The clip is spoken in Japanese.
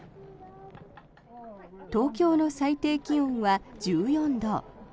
東京の最低気温は１４度。